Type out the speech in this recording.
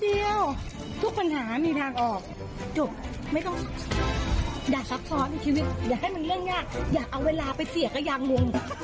อย่าให้มันเรื่องยากอย่าเอาเวลาไปเสียกับยางวง